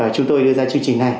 chúng tôi đưa ra chương trình này